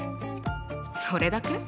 それだけ？